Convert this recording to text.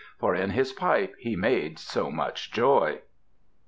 For in his pipe he made so much joy